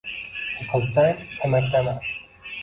Yiqilsang, emaklama